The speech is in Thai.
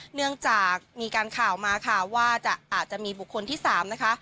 เนื่องจากมีการข่าวมาค่ะว่าอาจจะมีบุคคลที่๓นะคะ